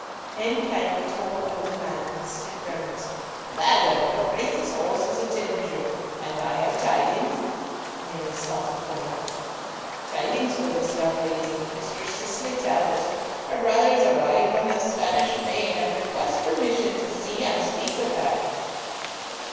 In came the tall old man with a stiff reverence: "Madam, your Grace's horses attend you, and I have tidings"—(Mary started forward)—"tidings for this young lady, Mistress Cicely Talbot. Her brother is arrived from the Spanish Main, and requests permission to see and speak with her."